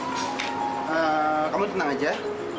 dia pinter nyanyi loh